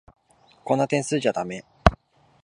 こんな点数じゃだめ。